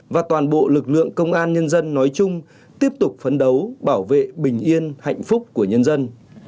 và toàn bộ lực lượng công an nhân dân nói chung tiếp tục phấn đấu bảo vệ bình yên hạnh phúc của nhân dân